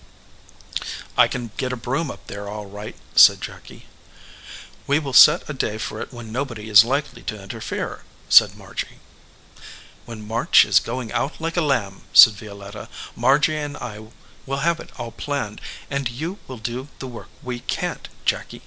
"I can get a broom up there, all right/* said Jacky. "We will set a day for it when nobody is likely to interfere," said Margy. "When March is going out like a lamb," said Violetta, "Margy and I will have it all planned, and you will do the work we can t, Jacky."